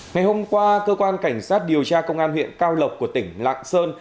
ngày hôm qua cơ quan cảnh sát điều tra công an huyện cao lộc của tỉnh lạng sơn